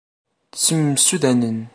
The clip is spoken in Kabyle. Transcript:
Ttemsudanen.